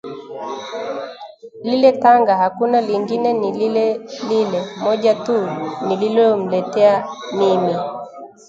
lile tanga hakuna lingine ni lile lile moja tu nililomletea mimi